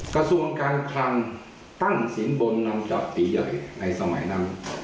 กระทรวงการคลังตั้งสินบนนำจับปีใหญ่ในสมัยนั้น